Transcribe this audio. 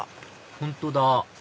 本当だ